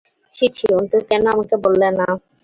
ছি ছি অন্তু, কেন আমাকে বললে না?